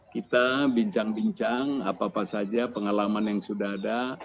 kita bincang bincang apa apa saja pengalaman yang sudah ada